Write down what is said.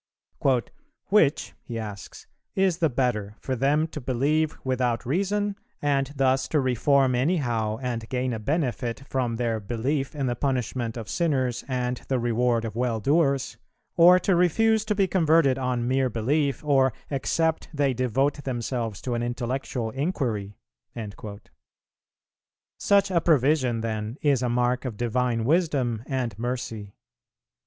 "Which," he asks, "is the better, for them to believe without reason, and thus to reform any how and gain a benefit, from their belief in the punishment of sinners and the reward of well doers, or to refuse to be converted on mere belief, or except they devote themselves to an intellectual inquiry?"[329:1] Such a provision then is a mark of divine wisdom and mercy.